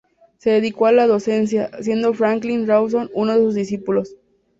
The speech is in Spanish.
Se dedicó a la docencia, siendo Franklin Rawson uno de sus discípulos.